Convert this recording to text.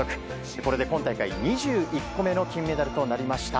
これで今大会２１個目の金メダルとなりました。